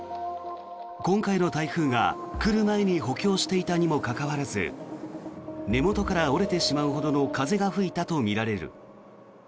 今回の台風が来る前に補強していたにもかかわらず根元から折れてしまうほどの風が吹いたとみられる。